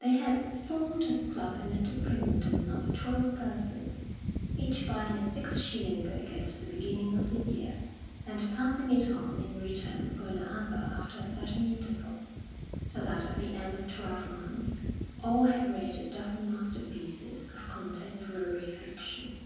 They had formed a club in Little Primpton of twelve persons, each buying a six shilling book at the beginning of the year, and passing it on in return for another after a certain interval, so that at the end of twelve months all had read a dozen masterpieces of contemporary fiction.